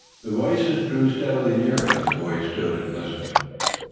The voices drew steadily nearer, as the boys stood and listened.